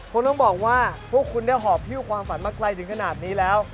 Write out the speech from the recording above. คุณต้องบอกว่าพวกคุณได้หอบฮิ้วความฝันมาไกลถึงขนาดนี้แล้ว